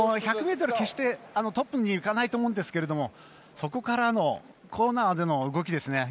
１００ｍ決してトップに行かないと思うんですがそこからのコーナーでの動きです。